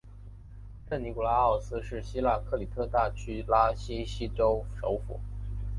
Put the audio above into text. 圣尼古拉奥斯是希腊克里特大区拉西锡州首府。